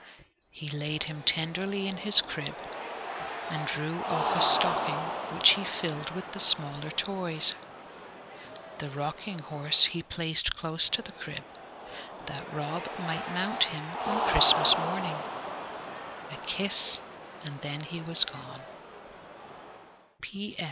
He laid him tenderly in his crib, and drew off a stocking, which he filled with the smaller toys. The rocking horse he placed close to the crib, that Rob might mount him on Christmas morning. A kiss, and he was gone.